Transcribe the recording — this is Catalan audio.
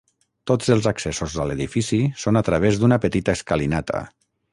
Tots els accessos a l’edifici són a través d’una petita escalinata.